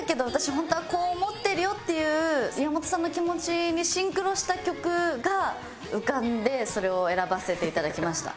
本当はこう思ってるよっていう岩元さんの気持ちにシンクロした曲が浮かんでそれを選ばせていただきました。